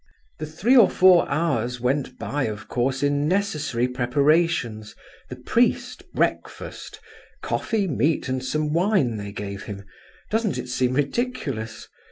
"The three or four hours went by, of course, in necessary preparations—the priest, breakfast, (coffee, meat, and some wine they gave him; doesn't it seem ridiculous?)